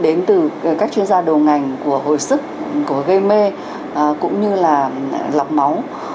đến từ các chuyên gia đầu ngành của hồi sức của gây mê cũng như là lọc máu